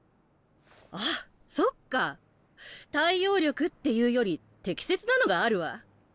あっそっか対応力っていうより適切なのがあるわ。